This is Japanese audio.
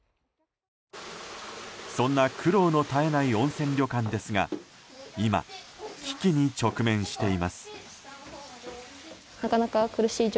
そんな苦労の絶えない温泉旅館ですが今、危機に直面しています。